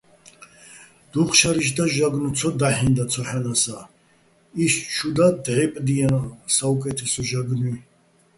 დუჴ შარი́შ და ჟაგნო̆ ცო დაჰ̦ინდა ცოჰ̦ანასა́, იშტ ჩუ და დჵე́პდიენო̆ საუკე́თესო ჟაგნუჲ.